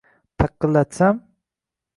Taqillatsam…